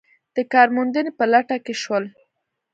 د کار موندنې په لټه کې شول.